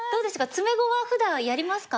詰碁はふだんやりますか？